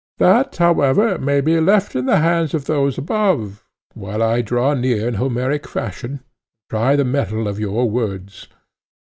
That, however, may be left in the hands of those above, while I draw near in Homeric fashion, and try the mettle of your words.